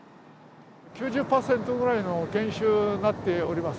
９０％ぐらいの減収になっております。